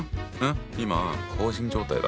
今放心状態だった。